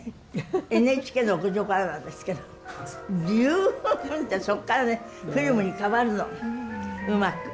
ＮＨＫの屋上からなんですけどビューンってそっからねフィルムに変わるのうまく。